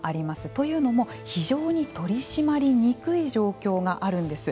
というのも非常に取り組みにくい状況があるんです。